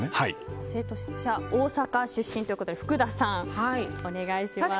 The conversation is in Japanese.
大阪出身ということで福田さん、お願いします。